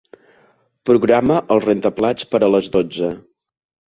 Programa el rentaplats per a les dotze.